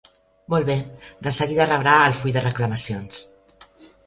Molt bé, de seguida rebrà el full de reclamacions.